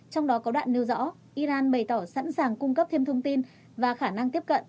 trong đó có đạn nêu rõ iran bày tỏ sẵn sàng cung cấp thêm thông tin và khả năng tiếp cận